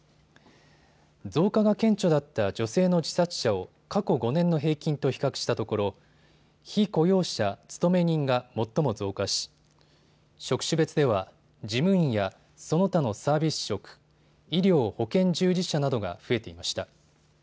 増加が顕著だった女性の自殺者を過去５年の平均と比較したところ被雇用者・勤め人が最も増加し職種別では事務員やその他のサービス職、医療・保健従事者などが増えていました。